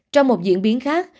trong một diễn biến khác